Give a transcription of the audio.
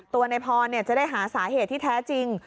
ตัวในพรจะได้หาสาเหตุที่แท้จริง